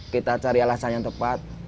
kita cari alasan yang tepat